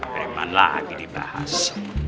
preman lagi dibahas